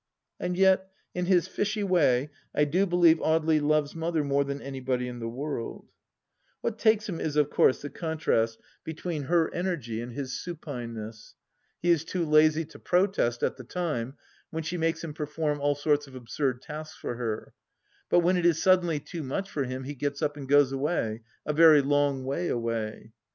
And yet, in his fishy way I do believe Audely loves Mother more than anybody in the world. What takes him is of course the contrast between her 4> 60 THE LAST DITCH energy and his supineness. He is too lazy to protest, at the time, when she makes him perform all sorts of absurd tasks for her, but when it is suddenly too much for him he gets up and goes away — a very long way away.